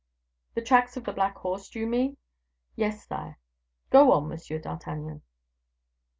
"The tracks of the black horse, do you mean?" "Yes, sire." "Go on, Monsieur d'Artagnan."